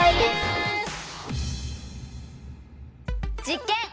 実験！